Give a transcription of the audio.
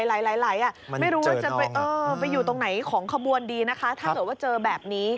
หลายไม่รู้ว่าจะไปอยู่ตรงไหนของขบวนดีนะคะถ้าเกิดว่าเจอแบบนี้